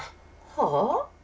はあ？